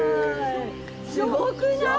すごくない？